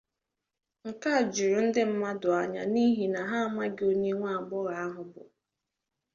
Nke a juru ndị mmadụ anya n’ihi na ha amaghị onye nwagbọghọ ahụ bụ